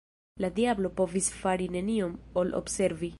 La diablo povis fari nenion ol observi.